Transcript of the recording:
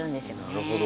なるほど。